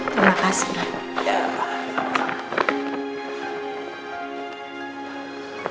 terima kasih dok